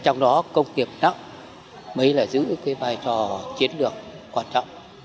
trong đó công nghiệp nặng mới là giữ cái vai trò chiến lược quan trọng